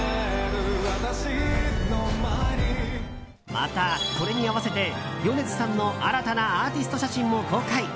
また、これに合わせて米津さんの新たなアーティスト写真も公開。